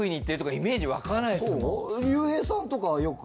竜兵さんとかよく。